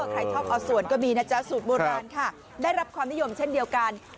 ใครชอบเอาส่วนก็มีนะจ๊ะสูตรโบราณค่ะได้รับความนิยมเช่นเดียวกัน